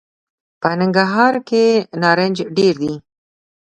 په ننګرهار کي نارنج ډېر دي .